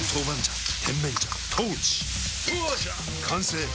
完成！